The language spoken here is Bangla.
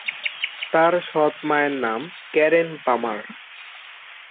তার সৎ মায়ের নাম ক্যারেন পামার।